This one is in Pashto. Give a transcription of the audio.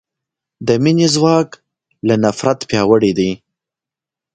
د مینې ځواک له نفرت پیاوړی دی.